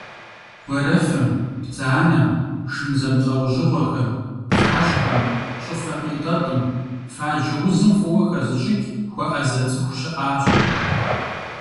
Гуэрэфым, бдзанэм, шын зэмылӏэужьыгъуэхэм, фашхэм, щӏыфэ къитӏэтӏым, фаджэ узым фӏыуэ хэзыщӏыкӏ, хуэӏэзэ цӏыху щыӏащ.